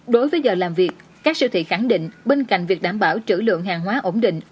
đối với giờ làm việc các siêu thị khẳng định bên cạnh việc đảm bảo trữ lượng hàng hóa ổn định